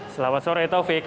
selamat sore taufik